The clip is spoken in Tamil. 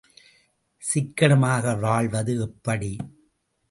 சிக்கனமாக வாழ்வது எப்படி?